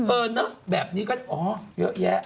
เออเนอะแบบนี้ก็อ๋อเยอะแยะ